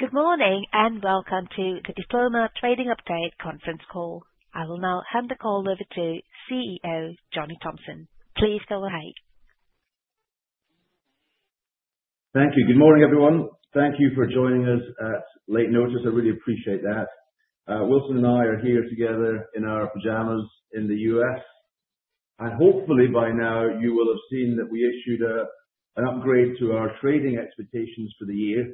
Good morning, and welcome to the Diploma Trading Update Conference Call. I will now hand the call over to CEO Johnny Thomson. Please go ahead. Thank you. Good morning, everyone. Thank you for joining us at late notice. I really appreciate that. Wilson and I are here together in our pajamas in the U.S. Hopefully by now you will have seen that we issued an upgrade to our trading expectations for the year.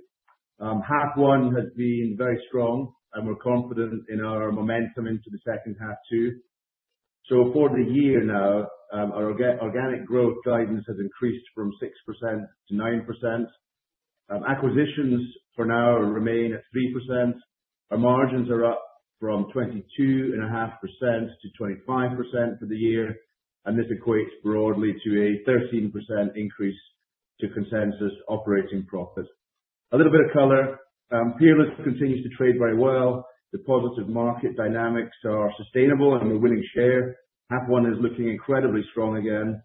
Half one has been very strong, and we're confident in our momentum into the second half too. For the year now, our organic growth guidance has increased from 6%-9%. Acquisitions for now remain at 3%. Our margins are up from 22.5%-25% for the year, and this equates broadly to a 13% increase to consensus operating profit. A little bit of color. Peerless continues to trade very well. The positive market dynamics are sustainable, and we're winning share. Half one is looking incredibly strong again.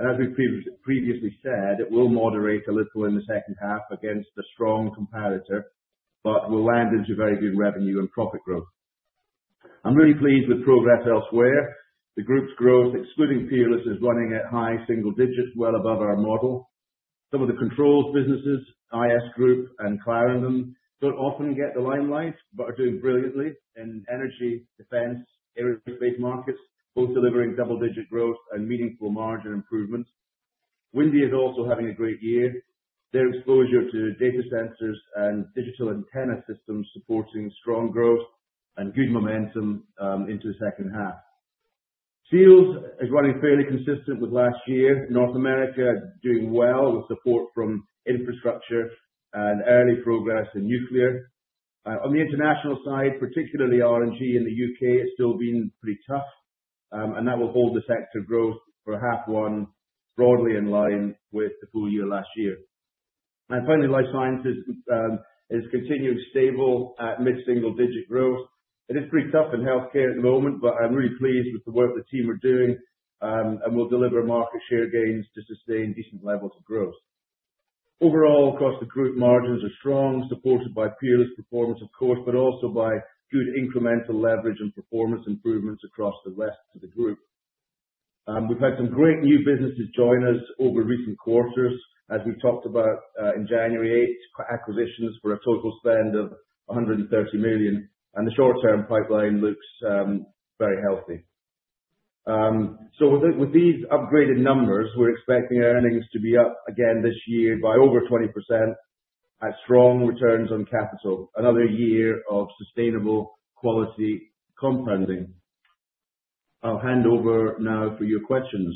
As we previously said, it will moderate a little in the second half against a strong competitor, but we'll land into very good revenue and profit growth. I'm really pleased with progress elsewhere. The group's growth, excluding Peerless, is running at high single digits, well above our model. Some of the controls businesses, IS Group and Clarendon, don't often get the limelight, but are doing brilliantly in energy, defense, aerospace markets. Both delivering double digit growth and meaningful margin improvement. Windy is also having a great year. Their exposure to data centers and distributed antenna systems supporting strong growth and good momentum into the second half. Seals is running fairly consistent with last year. North America doing well with support from infrastructure and early progress in nuclear. On the international side, particularly R&G in the U.K., it's still been pretty tough. That will hold the sector growth for half one broadly in line with the full year last year. Finally, Life Sciences is continuing stable at mid-single-digit growth. It is pretty tough in healthcare at the moment, but I'm really pleased with the work the team are doing, and we'll deliver market share gains to sustain decent levels of growth. Overall, across the group, margins are strong, supported by Peerless performance of course, but also by good incremental leverage and performance improvements across the rest of the group. We've had some great new businesses join us over recent quarters. As we talked about in January, 8 acquisitions for a total spend of 130 million. The short-term pipeline looks very healthy. With these upgraded numbers, we're expecting earnings to be up again this year by over 20%. With strong returns on capital. Another year of sustainable quality compounding. I'll hand over now for your questions.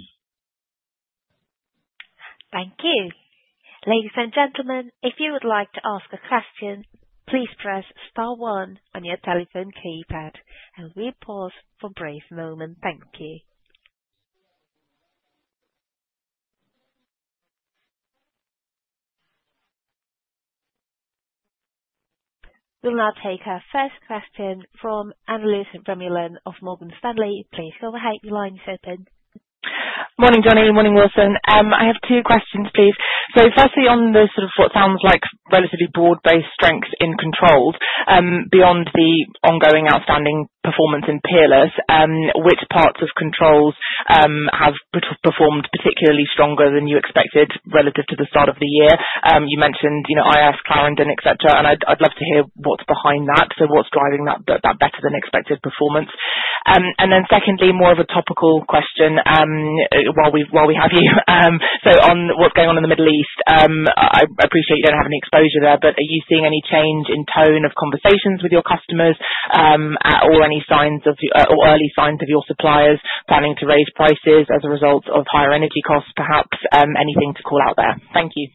Thank you. Ladies and gentlemen, if you would like to ask a question, please press star one on your telephone keypad. We pause for a brief moment. Thank you. We'll now take our first question from Annelies Vermeulen of Morgan Stanley. Please go ahead, your line is open. Morning, Johnny. Morning, Wilson. I have two questions, please. Firstly, on the sort of what sounds like relatively broad-based strength in Controls, beyond the ongoing outstanding performance in Peerless, which parts of Controls have performed particularly stronger than you expected relative to the start of the year? You mentioned, you know, IS, Clarendon, et cetera, and I'd love to hear what's behind that. What's driving that better than expected performance. Secondly, more of a topical question, while we have you. On what's going on in the Middle East. I appreciate you don't have any exposure there, but are you seeing any change in tone of conversations with your customers, at all? Any signs of, or early signs of your suppliers planning to raise prices as a result of higher energy costs, perhaps? Anything to call out there. Thank you.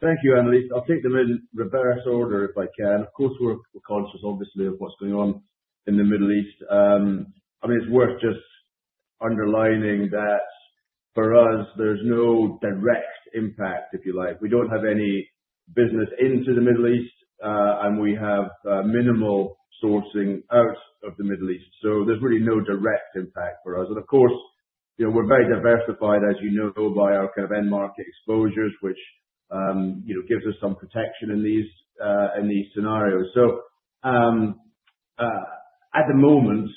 Thank you, Annelies. I'll take them in reverse order if I can. Of course, we're conscious obviously of what's going on in the Middle East. I mean, it's worth just underlining that for us, there's no direct impact, if you like. We don't have any business into the Middle East, and we have minimal sourcing out of the Middle East. There's really no direct impact for us. Of course, you know, we're very diversified, as you know, by our kind of end market exposures, which, you know, gives us some protection in these, in these scenarios. At the moment,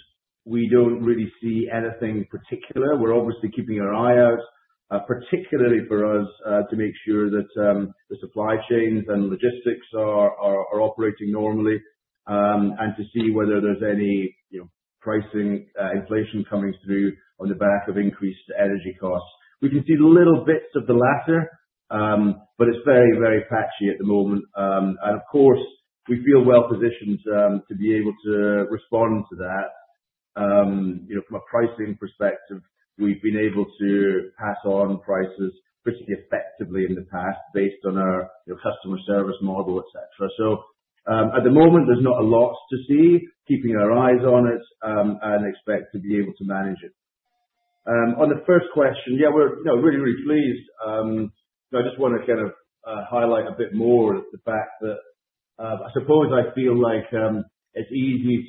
we don't really see anything particular. We're obviously keeping our eye out, particularly for us, to make sure that the supply chains and logistics are operating normally, and to see whether there's any, you know, pricing inflation coming through on the back of increased energy costs. We can see the little bits of the latter, but it's very, very patchy at the moment. Of course, we feel well positioned to be able to respond to that. You know, from a pricing perspective, we've been able to pass on prices pretty effectively in the past based on our, you know, customer service model, et cetera. At the moment, there's not a lot to see. Keeping our eyes on it, and expect to be able to manage it. On the first question, yeah, we're, you know, really, really pleased. I just wanna kind of highlight a bit more the fact that I suppose I feel like it's easy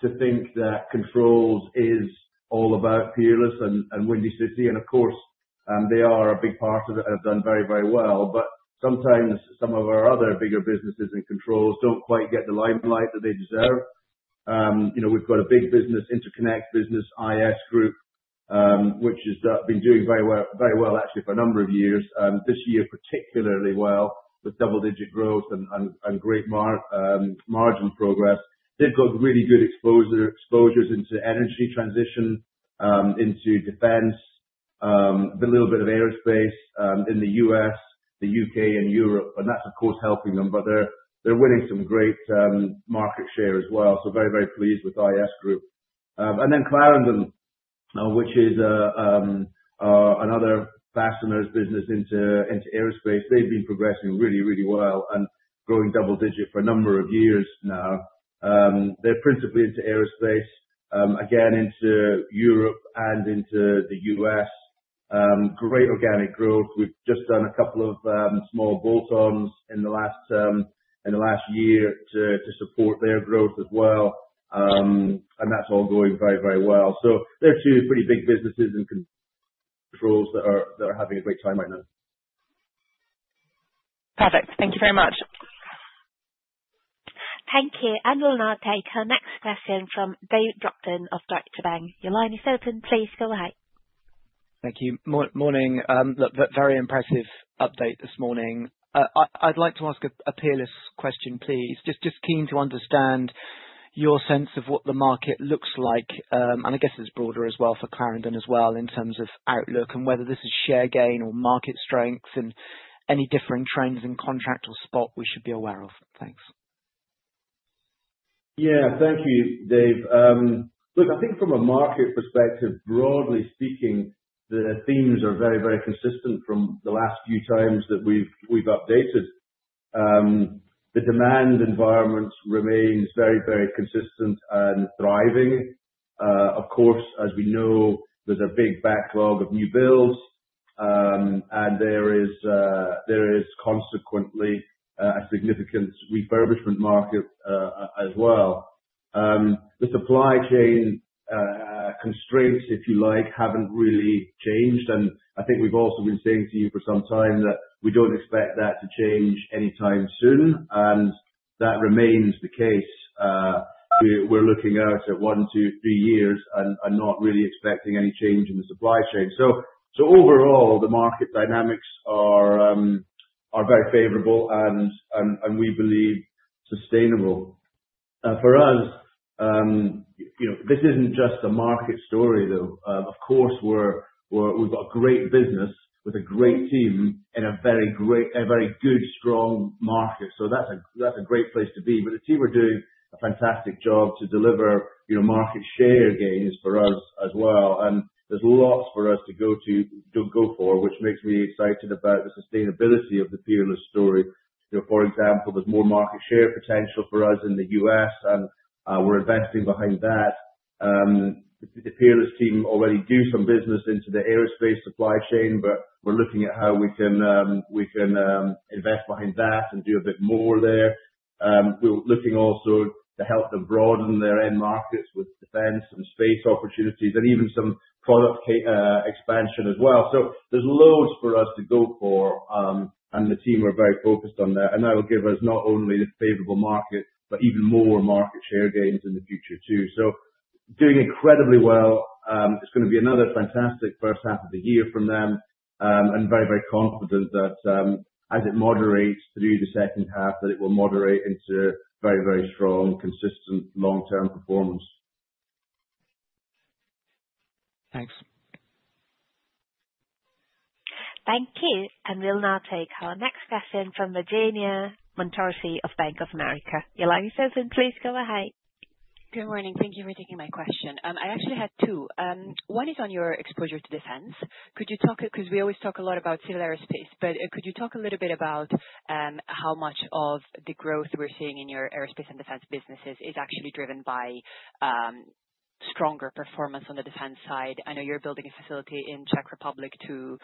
to think that Controls is all about Peerless and Windy City and, of course, they are a big part of it and have done very well. Sometimes some of our other bigger businesses in Controls don't quite get the limelight that they deserve. You know, we've got a big business, interconnect business, IS Group, which has been doing very well actually for a number of years. This year, particularly well with double-digit growth and great margin progress. They've got really good exposure into energy transition, into defense, and a little bit of aerospace, in the U.S., the U.K. and Europe, and that's of course helping them. They're winning some great market share as well, so very, very pleased with IS Group. Then Clarendon, which is another fasteners business into aerospace. They've been progressing really, really well and growing double-digit for a number of years now. They're principally into aerospace, again into Europe and into the U.S. Great organic growth. We've just done a couple of small bolt-ons in the last year to support their growth as well. That's all going very, very well. They're two pretty big businesses in Controls that are having a great time right now. Perfect. Thank you very much. Thank you. We'll now take our next question from Dave Brockton of Deutsche Bank. Your line is open. Please go ahead. Thank you. Morning, look, very impressive update this morning. I'd like to ask a Peerless question, please. Just keen to understand your sense of what the market looks like. I guess it's broader as well for Clarendon as well in terms of outlook and whether this is share gain or market strength and any different trends in contract or spot we should be aware of. Thanks. Yeah, thank you, Dave. Look, I think from a market perspective, broadly speaking, the themes are very, very consistent from the last few times that we've updated. The demand environment remains very, very consistent and thriving. Of course, as we know, there's a big backlog of new builds, and there is consequently a significant refurbishment market, as well. The supply chain constraints, if you like, haven't really changed. I think we've also been saying to you for some time that we don't expect that to change anytime soon, and that remains the case. We're looking out at one to three years and not really expecting any change in the supply chain. Overall, the market dynamics are very favorable and we believe sustainable. For us, you know, this isn't just a market story, though. Of course, we've got a great business with a great team and a very good, strong market. That's a great place to be. The team are doing a fantastic job to deliver, you know, market share gains for us as well. There's lots for us to go for, which makes me excited about the sustainability of the Peerless story. You know, for example, there's more market share potential for us in the U.S., and we're investing behind that. The Peerless team already do some business into the aerospace supply chain, but we're looking at how we can invest behind that and do a bit more there. We're looking also to help them broaden their end markets with defense and space opportunities and even some product expansion as well. There's loads for us to go for, and the team are very focused on that. That will give us not only the favorable market, but even more market share gains in the future too. Doing incredibly well. It's gonna be another fantastic first half of the year from them, and very, very confident that, as it moderates through the second half, that it will moderate into very, very strong, consistent long-term performance. Thanks. Thank you. We'll now take our next question from Virginia Montorsi of Bank of America. Your line is open. Please go ahead. Good morning. Thank you for taking my question. I actually had two. One is on your exposure to defense. Could you talk, because we always talk a lot about civil aerospace, but could you talk a little bit about how much of the growth we're seeing in your aerospace and defense businesses is actually driven by stronger performance on the defense side? I know you're building a facility in Czech Republic to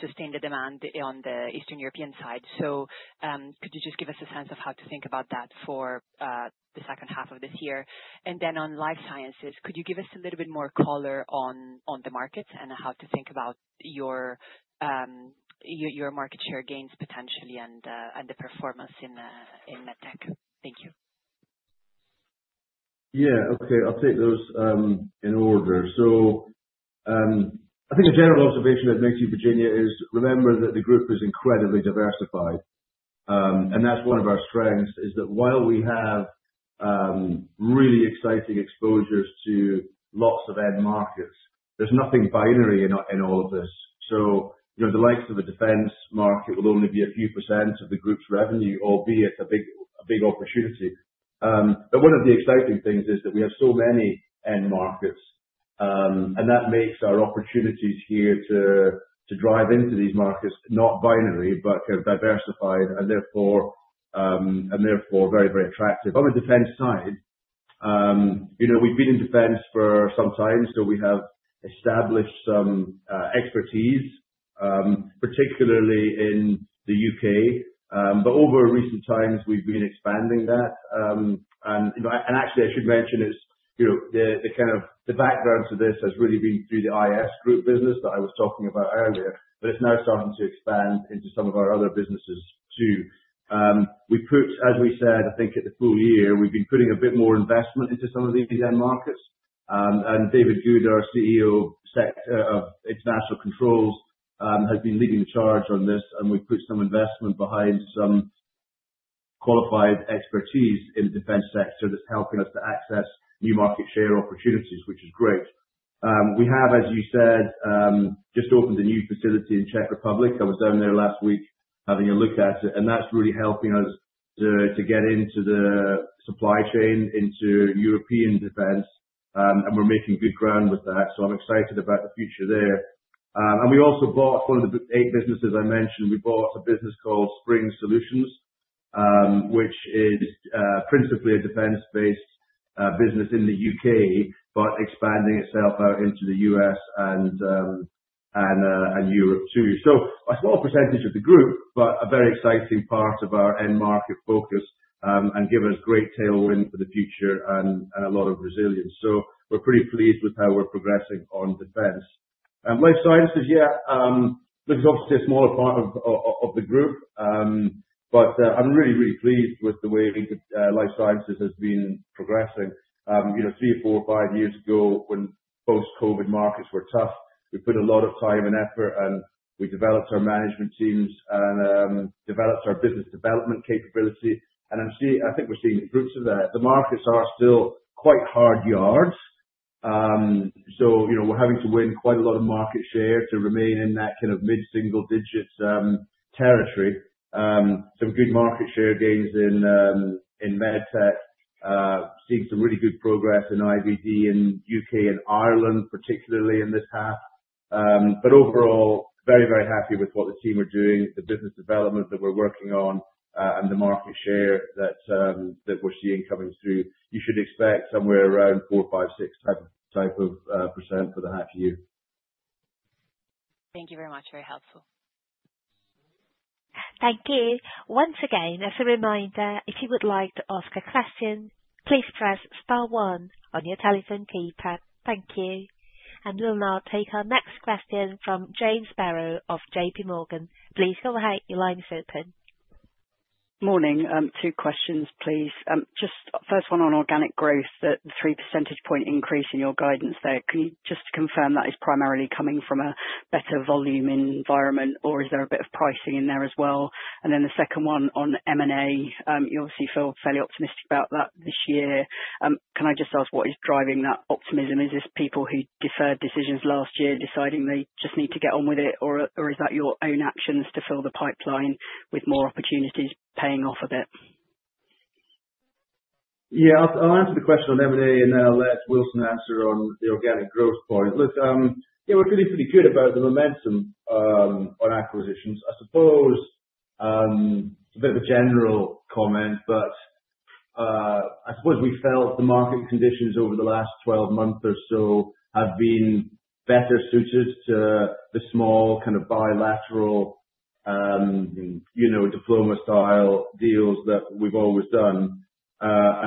sustain the demand on the Eastern European side. Could you just give us a sense of how to think about that for the second half of this year? On Life Sciences, could you give us a little bit more color on the markets and how to think about your market share gains potentially and the performance in MedTech? Thank you. Yeah. Okay. I'll take those in order. I think a general observation I'd make to you, Virginia, is remember that the group is incredibly diversified. That's one of our strengths, is that while we have really exciting exposures to lots of end markets, there's nothing binary in all of this. You know, the likes of a defense market will only be a few percent of the group's revenue, albeit a big opportunity. One of the exciting things is that we have so many end markets, and that makes our opportunities here to drive into these markets, not binary, but diversified and therefore very, very attractive. On the defense side. You know, we've been in defense for some time, so we have established some expertise, particularly in the U.K. Over recent times, we've been expanding that. You know, actually I should mention is, you know, the kind of the background to this has really been through the IS Group business that I was talking about earlier, but it's now starting to expand into some of our other businesses, too. As we said, I think at the full year, we've been putting a bit more investment into some of these end markets. David Goode, our CEO of Controls, has been leading the charge on this, and we put some investment behind some qualified expertise in the defense sector that's helping us to access new market share opportunities, which is great. We have, as you said, just opened a new facility in Czech Republic. I was down there last week having a look at it, and that's really helping us to get into the supply chain into European defense. We're making good ground with that, so I'm excited about the future there. We also bought one of the bolt-on businesses I mentioned. We bought a business called Spring Solutions, which is principally a defense-based business in the U.K., but expanding itself out into the U.S. and Europe too. A small percentage of the group, but a very exciting part of our end market focus and give us great tailwind for the future and a lot of resilience. We're pretty pleased with how we're progressing on defense. Life Sciences, yeah, this is obviously a smaller part of the group. I'm really, really pleased with the way the Life Sciences has been progressing. You know, three, four, five years ago when post-COVID markets were tough, we put a lot of time and effort, and we developed our management teams and developed our business development capability. I think we're seeing fruits of that. The markets are still quite hard yards. You know, we're having to win quite a lot of market share to remain in that kind of mid-single-digit territory. Some good market share gains in MedTech. Seeing some really good progress in IVD in U.K. and Ireland, particularly in this half. Overall, very, very happy with what the team are doing, the business development that we're working on, and the market share that we're seeing coming through. You should expect somewhere around 4%-6% for the half year. Thank you very much. Very helpful. Thank you. Once again, as a reminder, if you would like to ask a question, please press star one on your telephone keypad. Thank you. We'll now take our next question from Jane Sparrow of J.P. Morgan. Please go ahead. Your line is open. Morning. Two questions, please. Just first one on organic growth, that the three percentage point increase in your guidance there. Can you just confirm that is primarily coming from a better volume environment, or is there a bit of pricing in there as well? Then the second one on M&A. You obviously feel fairly optimistic about that this year. Can I just ask what is driving that optimism? Is this people who deferred decisions last year deciding they just need to get on with it? Or is that your own actions to fill the pipeline with more opportunities paying off a bit? Yeah. I'll answer the question on M&A and I'll let Wilson answer on the organic growth point. Look, yeah, we're feeling pretty good about the momentum on acquisitions. I suppose, a bit of a general comment, but, I suppose we felt the market conditions over the last 12 months or so have been better suited to the small kind of bilateral, you know, Diploma style deals that we've always done.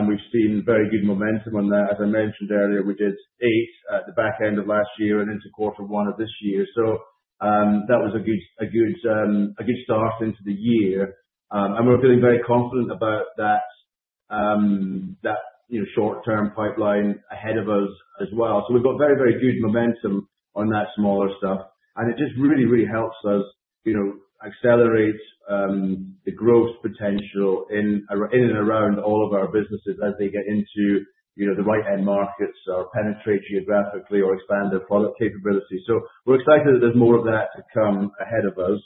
We've seen very good momentum on that. As I mentioned earlier, we did eight at the back end of last year and into quarter one of this year. That was a good start into the year. We're feeling very confident about that, you know, short-term pipeline ahead of us as well. We've got very, very good momentum on that smaller stuff, and it just really, really helps us, you know, accelerate the growth potential in and around all of our businesses as they get into, you know, the right end markets or penetrate geographically or expand their product capability. We're excited that there's more of that to come ahead of us.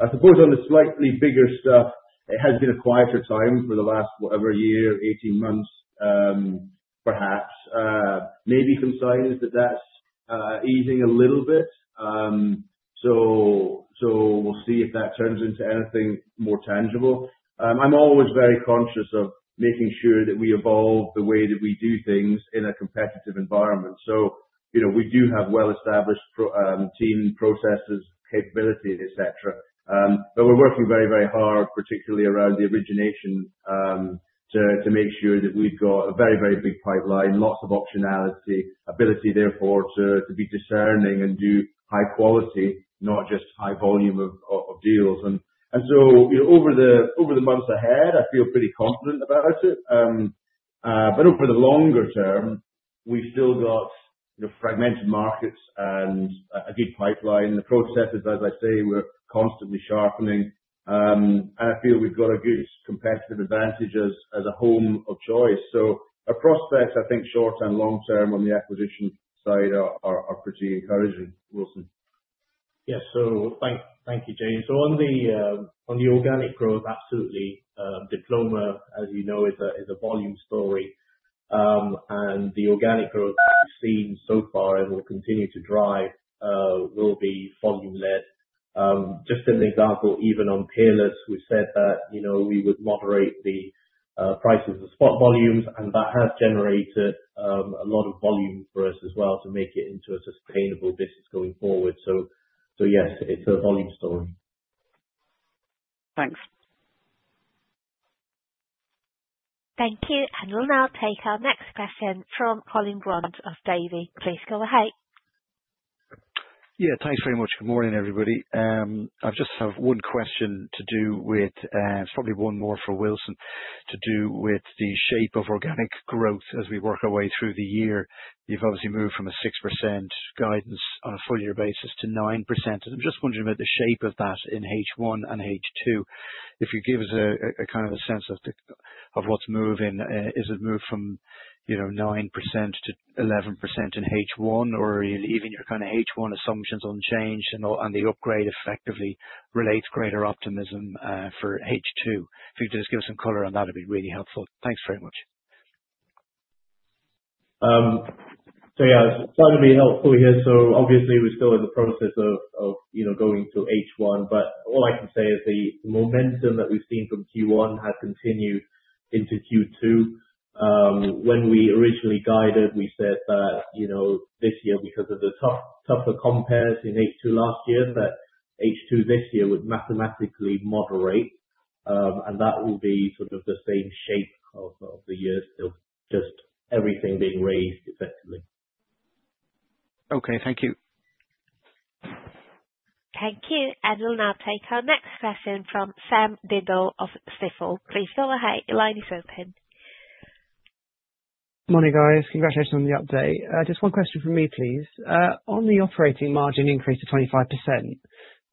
I suppose on the slightly bigger stuff, it has been a quieter time for the last, whatever, year, 18 months, perhaps. Maybe some signs that that's easing a little bit. So we'll see if that turns into anything more tangible. I'm always very conscious of making sure that we evolve the way that we do things in a competitive environment. You know, we do have well-established team processes, capabilities, et cetera. We're working very, very hard, particularly around the origination, to make sure that we've got a very, very big pipeline, lots of optionality. Ability therefore to be discerning and do high quality, not just high volume of deals. You know, over the months ahead, I feel pretty confident about it. Over the longer term, we've still got the fragmented markets and a good pipeline. The processes, as I say, we're constantly sharpening. I feel we've got a good competitive advantage as a home of choice. Our prospects, I think short-term, long-term on the acquisition side are pretty encouraging. Wilson? Yeah. Thank you, Jane. On the organic growth, absolutely. Diploma, as you know, is a volume story. The organic growth that we've seen so far and will continue to drive will be volume led. Just an example, even on Peerless we said that, you know, we would moderate the prices of spot volumes, and that has generated a lot of volume for us as well to make it into a sustainable business going forward. Yes, it's a volume story. Thanks. Thank you. We'll now take our next question from Colin Grant of Davy. Please go ahead. Yeah, thanks very much. Good morning, everybody. I just have one question to do with, it's probably one more for Wilson to do with the shape of organic growth as we work our way through the year. You've obviously moved from a 6% guidance on a full year basis to 9%. I'm just wondering about the shape of that in H1 and H2. If you give us a kind of sense of what's moving. Is it moved from, you know, 9%-11% in H1? Or are you leaving your kind of H1 assumptions unchanged, and the upgrade effectively relates greater optimism for H2? If you could just give us some color on that, it'd be really helpful. Thanks very much. Yeah, that'll be helpful here. Obviously we're still in the process of you know, going to H1, but all I can say is the momentum that we've seen from Q1 has continued into Q2. When we originally guided, we said that, you know, this year, because of the tougher compares in H2 last year, that H2 this year would mathematically moderate. That will be sort of the same shape of the year. Just everything being raised effectively. Okay. Thank you. Thank you. We'll now take our next question from Charlie Williams of Stifel. Please go ahead, your line is open. Morning, guys. Congratulations on the update. Just one question from me, please. On the operating margin increase to 25%,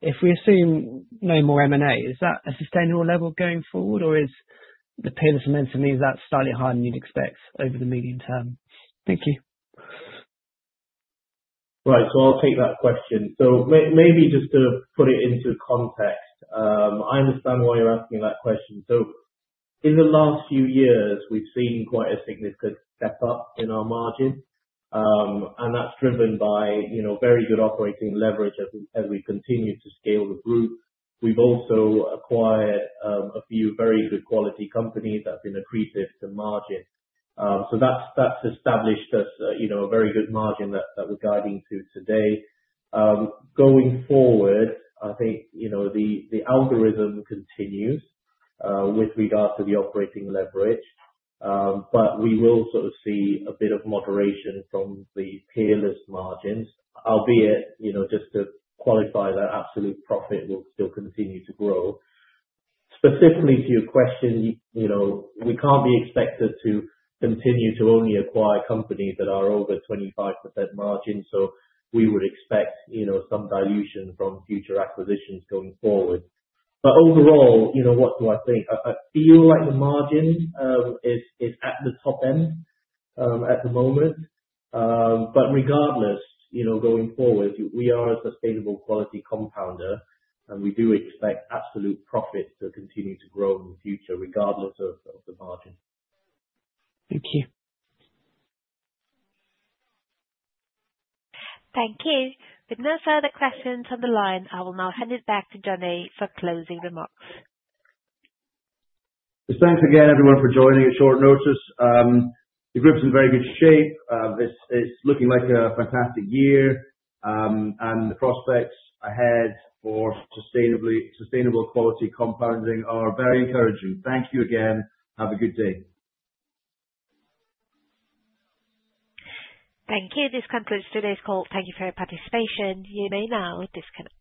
if we assume no more M&A, is that a sustainable level going forward, or is the Peerless momentum means that's slightly higher than you'd expect over the medium term? Thank you. Right. I'll take that question. Maybe just to put it into context. I understand why you're asking that question. In the last few years we've seen quite a significant step up in our margins, and that's driven by very good operating leverage as we continue to scale the group. We've also acquired a few very good quality companies that's been accretive to margin. That's established us a very good margin that we're guiding to today. Going forward, I think the algorithm continues with regard to the operating leverage. We will sort of see a bit of moderation from the Peerless margins, albeit just to qualify that absolute profit will still continue to grow. Specifically to your question, you know, we can't be expected to continue to only acquire companies that are over 25% margin. We would expect, you know, some dilution from future acquisitions going forward. Overall, you know, what do I think? I feel like the margin is at the top end at the moment. Regardless, you know, going forward, we are a sustainable quality compounder, and we do expect absolute profit to continue to grow in the future regardless of the margin. Thank you. Thank you. With no further questions on the line, I will now hand it back to Johnny for closing remarks. Just thanks again everyone for joining at short notice. The group's in very good shape. It's looking like a fantastic year. The prospects ahead for sustainable quality compounding are very encouraging. Thank you again. Have a good day. Thank you. This concludes today's call. Thank you for your participation. You may now disconnect.